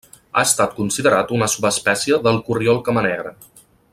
Ha estat considerat una subespècie del corriol camanegre.